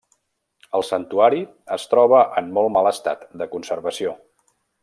El santuari es troba en molt mal estat de conservació.